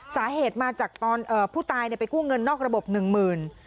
สาเหตุมาจากตอนผู้ตายไปกู้เงินนอกระบบหนึ่งหมื่น